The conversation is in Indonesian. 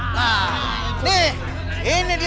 nah ini dia nih orangnya